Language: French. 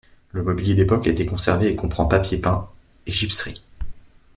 Le mobilier d'époque a été conservé, et comprend papiers peints et gypseries.